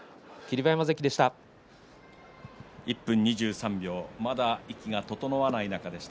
馬山関でした。